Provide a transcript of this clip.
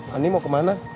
ani mau kemana